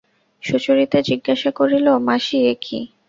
সুচরিতা জিজ্ঞাসা করিল, মাসি, এ কী?